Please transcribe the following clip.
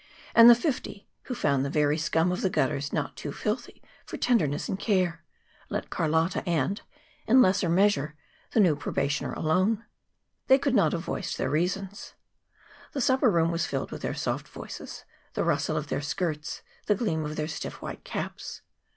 And the fifty, who found the very scum of the gutters not too filthy for tenderness and care, let Carlotta and, in lesser measure, the new probationer alone. They could not have voiced their reasons. The supper room was filled with their soft voices, the rustle of their skirts, the gleam of their stiff white caps.